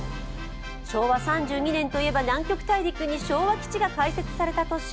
昭和３２年といえば南極大陸に昭和基地が開設された年。